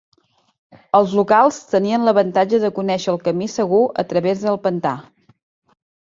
Els locals tenien l'avantatge de conèixer el camí segur a través del pantà.